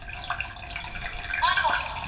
あるわよ。